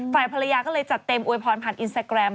ฝ่ายภรรยาก็เลยจัดเต็มอวยพรผ่านอินสตาแกรม